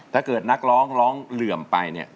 ถ้าเกิดนักร้องร้องเหลื่อมไปเนี่ย